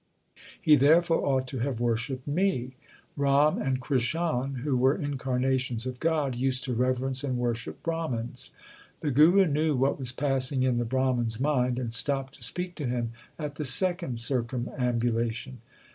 He therefore ought to have worshipped me. Ram and Krishan, who LIFE OF GURU ARJAN 51 were incarnations of God, used to reverence and worship Brahmans. The Guru knew what was passing in the Brahman s mind, and stopped to speak to him at the second circumambulation.